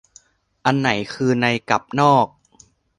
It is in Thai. อันไหนคือในกับนอก